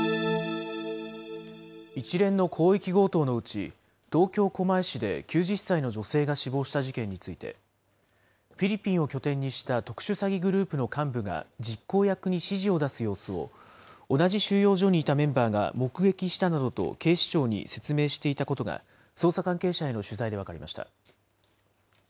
一連の広域強盗のうち、東京・狛江市で９０歳の女性が死亡した事件について、フィリピンを拠点にした特殊詐欺グループの幹部が実行役に指示を出す様子を、同じ収容所にいたメンバーが目撃したなどと警視庁に説明していたことが、捜査関係者への取材で分かりました。